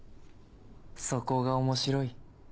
そこが面白い。